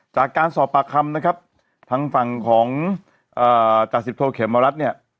จากการสอบปากคำนะครับทางฝั่งของจ่าสิบโทเขมรัฐเนี่ย